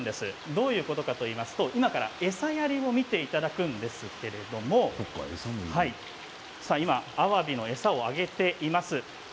どういうことかといいますと餌やりの様子も見ていただくんですけれどあわびに餌をあげています。